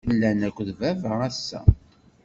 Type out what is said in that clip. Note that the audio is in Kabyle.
Llan akked baba ass-a?